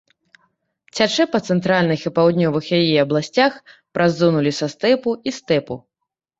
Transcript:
Цячэ па цэнтральных і паўднёвых яе абласцях праз зону лесастэпу і стэпу.